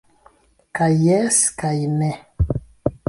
Kaj jes, kaj ne.